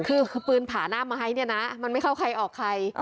คือปืนผาหน้าไม้เนี่ยนะมันไม่เข้าใครออกใคร